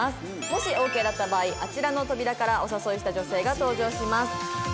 もしオーケーだった場合あちらの扉からお誘いした女性が登場します。